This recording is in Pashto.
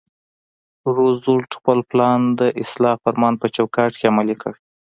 روزولټ خپل پلان د اصلاح فرمان په چوکاټ کې عملي کړ.